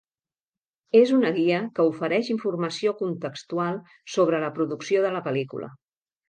és una guia que ofereix informació contextual sobre la producció de la pel·lícula.